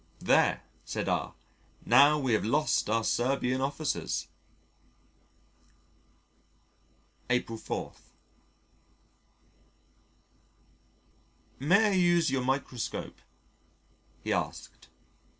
"There," said R , "now we have lost our Serbian Officers." April 4. "May I use your microscope?" he asked.